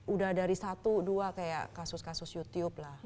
udah dari satu dua kayak kasus kasus youtube lah